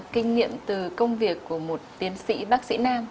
kinh nghiệm từ công việc của một tiến sĩ bác sĩ nam